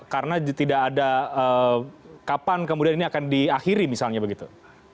karena tidak ada kapan kemudian ini akan diakhiri misalnya begitu